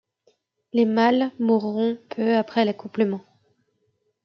Les mâles mourront peu après l'accouplement.